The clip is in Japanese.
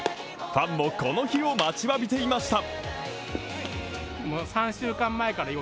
ファンもこの日を待ちわびていました。